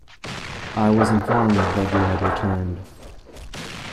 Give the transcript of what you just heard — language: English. I was informed that you had returned.